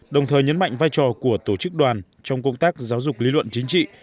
đồng thời nhấn mạnh vai trò của tổ chức đoàn trong công tác giáo dục lý luận chính trị